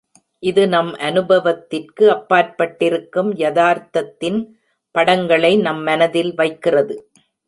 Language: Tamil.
இது நம் அனுபவத்திற்கு அப்பாற்பட்டிருக்கும் யதார்த்தத்தின் படங்களை நம் மனதில் வைக்கிறது.